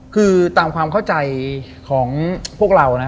คือตามความเข้าใจของพวกเรานะ